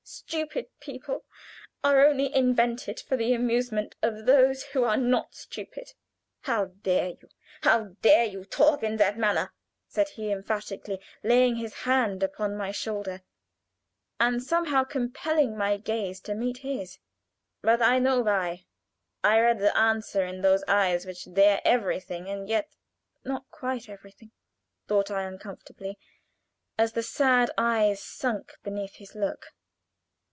Stupid people are only invented for the amusement of those who are not stupid." "How dare you, how dare you talk in that manner?" said he, emphatically, laying his hand upon my shoulder, and somehow compelling my gaze to meet his. "But I know why I read the answer in those eyes which dare everything, and yet " "Not quite everything," thought I, uncomfortably, as the said eyes sunk beneath his look.